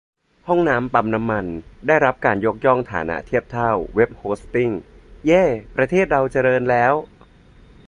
ห้องน้ำปั๊มน้ำมัน ได้รับการยกฐานะเทียบเท่า เว็บโฮสติ้ง เย้ ประเทศเราเจริญแล้ว !